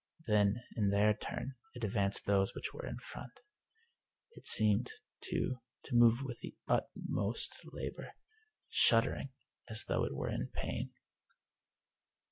Then, in their turn, it advanced those which were in front. It seemed, too, to move with the utmost labor, shuddering as though it were in pain.